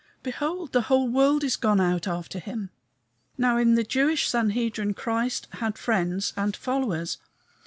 behold the whole world is gone out after him." Now, in the Jewish Sanhedrim Christ had friends and followers.